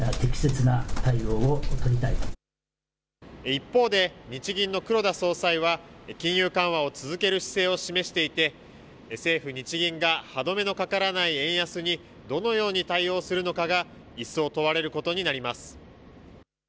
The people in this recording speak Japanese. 一方で日銀の黒田総裁は金融緩和を続ける姿勢を示していて政府・日銀が歯止めのかからない円安にどのように対応するのかが一層問われることになります。